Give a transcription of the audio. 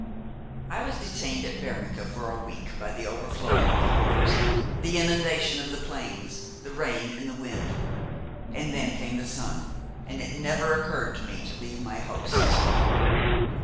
I was detained at Bernica for a week by the overflowing of the rivers, the inundation of the plains, the rain and the wind; and then came the sun, and it never occurred to me to leave my hosts.